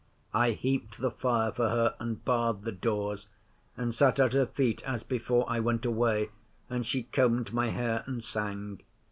I heaped the fire for her, and barred the doors, and sat at her feet as before I went away, and she combed my hair, and sang.